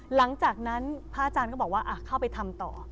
หลังจากนั้นพระอาจารย์ก็บอกว่าเข้าไปทำต่อ